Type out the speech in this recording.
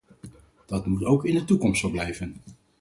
Dat moet ook in de toekomst zo blijven.